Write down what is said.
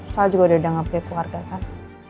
sal juga udah ngapain keluarga kan